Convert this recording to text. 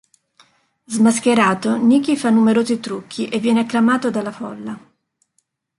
Smascherato, Nicky fa numerosi trucchi e viene acclamato dalla folla.